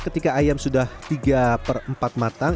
ketika ayam sudah tiga per empat matang